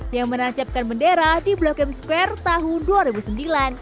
yang menancapkan bendera di blok m square tahun dua ribu sembilan